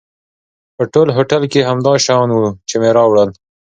په ټول هوټل کې همدا شیان و چې مې راوړل.